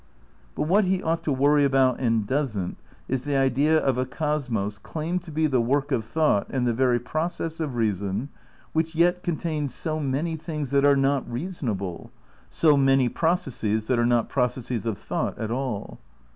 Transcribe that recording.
But what he ought to worry about and doesn't is the idea of a cosmos claimed to be the "work of thought" and the very process of reason, which yet contains so many things that are not reasonable, so may processes that are not processes of thought at all.